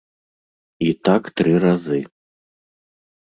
І так тры разы.